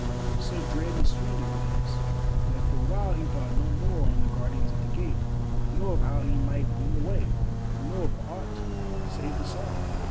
So dread and sweet it was that for a while he thought no more on the Guardians of the Gate, nor of how he might win the way, nor of aught save the song.